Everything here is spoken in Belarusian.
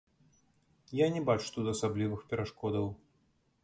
Я не бачу тут асаблівых перашкодаў.